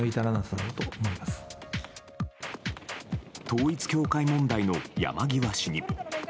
統一教会問題の山際氏に。